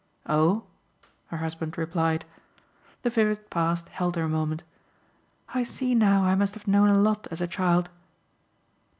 "Oh!" her husband replied. The vivid past held her a moment. "I see now I must have known a lot as a child."